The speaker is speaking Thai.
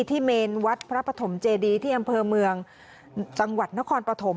เมนวัดพระปฐมเจดีที่อำเภอเมืองจังหวัดนครปฐม